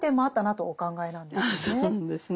そうなんですね。